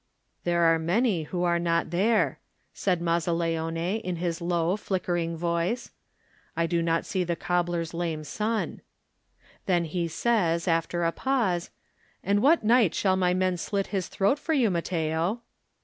"There are many who are not there,'* said Mazzaleone in his low, flickering voice. "I do not see the cobbler's lame son." Then he says, after a pause, "And what night shall my men slit his throat for you, Matteo?"